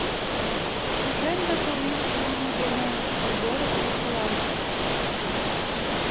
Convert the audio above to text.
Шужен да кылмен илыме дене вуйдорык локтылалтын...